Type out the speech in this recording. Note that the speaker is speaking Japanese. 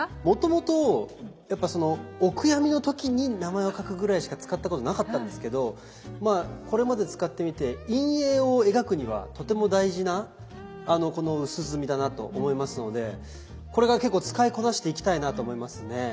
もともとお悔やみの時に名前を書くぐらいしか使ったことなかったんですけどこれまで使ってみて陰影を描くにはとても大事なこの薄墨だなと思いますのでこれから結構使いこなしていきたいなと思いますね。